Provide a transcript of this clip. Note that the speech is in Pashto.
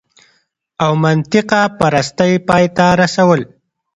او منطقه پرستۍ پای ته رسول